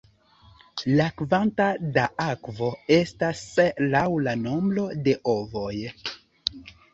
La kvanto da akvo estas laŭ la nombro de ovoj.